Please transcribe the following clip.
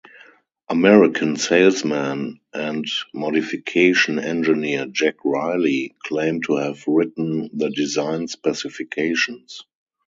American salesman and modification engineer Jack Riley claimed to have written the design specifications.